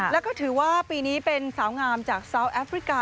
แล้วก็ถือว่าปีนี้เป็นสาวงามจากซาวแอฟริกา